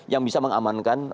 yang bisa mengamankan